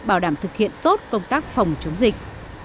bảo đảm thực hiện tốt công tác phòng chống dịch